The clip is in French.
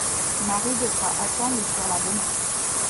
Marie devra attendre le surlendemain.